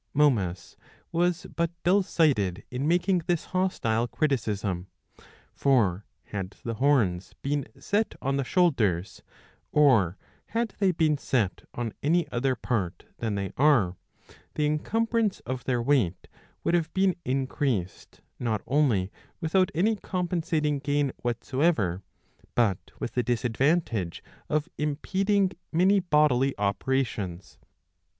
Momus was but dull sighted in making this hostile criticism. For had the horns been set on the shoulders, or had they been set on any other part than they are, the encumbrance of their weight would have been increased, not only without any compensating gain whatsoever, but with the disadvantage of impeding many bodily operations.